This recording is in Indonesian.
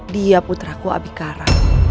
dia putraku abikara